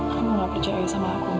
kamu gak percaya sama aku